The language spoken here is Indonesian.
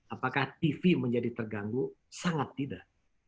apakah tv menjadi terganggu sangat tidak